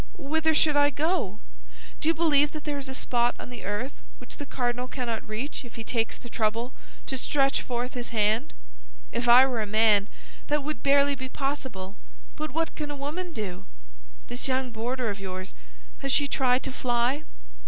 "Whither should I go? Do you believe there is a spot on the earth which the cardinal cannot reach if he takes the trouble to stretch forth his hand? If I were a man, that would barely be possible; but what can a woman do? This young boarder of yours, has she tried to fly?"